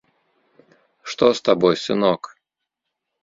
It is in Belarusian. Што з табой, сынок?